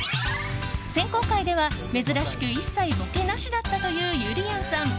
選考会では珍しく一切ボケなしだったというゆりやんさん。